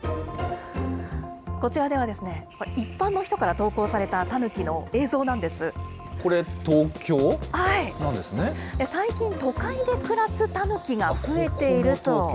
こちらでは、一般の人から投稿さこれ、最近、都会で暮らすタヌキが増えていると。